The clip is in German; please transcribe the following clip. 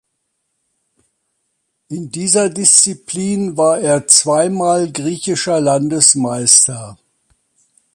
In dieser Disziplin war er zweimal griechischer Landesmeister.